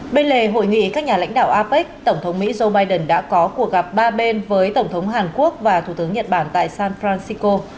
bên lề hội nghị các nhà lãnh đạo apec tổng thống mỹ joe biden đã có cuộc gặp ba bên với tổng thống hàn quốc và thủ tướng nhật bản tại san francisco